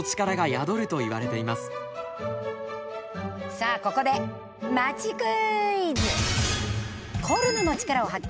さあここでまちクイズ！